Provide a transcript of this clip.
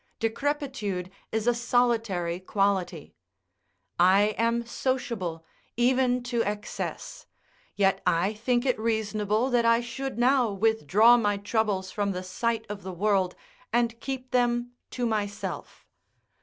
Decrepitude is a solitary quality. I am sociable even to excess, yet I think it reasonable that I should now withdraw my troubles from the sight of the world and keep them to myself.